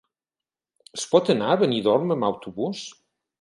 Es pot anar a Benidorm amb autobús?